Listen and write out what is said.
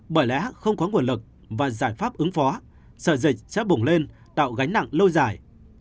bởi lẽ không có nguồn lực và giải pháp ứng phó sở dịch sẽ bùng lên tạo gánh nặng lâu dài